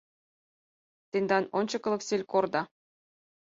— Тендан ончыкылык селькорда.